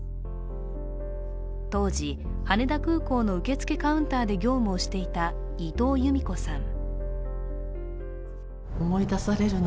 当時、羽田空港の受付カウンターで業務をしていた伊藤由美子さん。